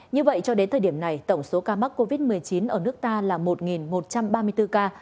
như vậy cho đến thời điểm này tổng số ca mắc covid một mươi chín ở nước ta là một một trăm ba mươi bốn ca